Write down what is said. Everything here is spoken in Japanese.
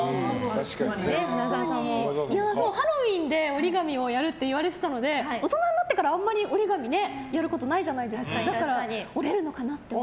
ハロウィーンで折り紙をやるって言われてたので大人になってからあんまり折り紙やることないじゃないですか。